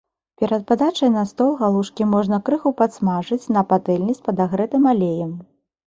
Перад падачай на стол галушкі можна крыху падсмажыць на патэльні з падагрэтым алеем.